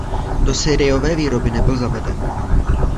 Do sériové výroby nebyl zaveden.